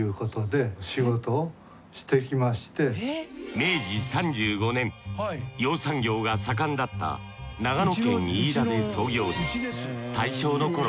明治３５年養蚕業が盛んだった長野県飯田で創業し大正のころ